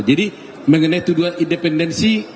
jadi mengenai tuduhan independensi